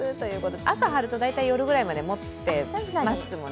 朝貼ると大体夜ぐらいまでもっていますものね。